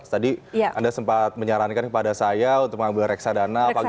tadi anda sempat menyarankan kepada saya untuk mengambil reksadana